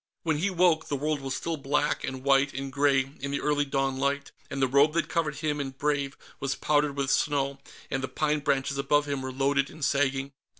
When he woke, the world was still black and white and gray in the early dawn light, and the robe that covered him and Brave was powdered with snow, and the pine branches above him were loaded and sagging.